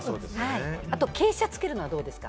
あと傾斜つけるのはどうですか？